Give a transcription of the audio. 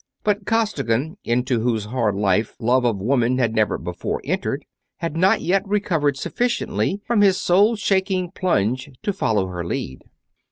But Costigan, into whose hard life love of woman had never before entered, had not yet recovered sufficiently from his soul shaking plunge to follow her lead.